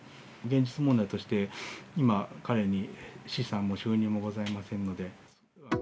現実問題として、今、彼に資産も収入もございませんので。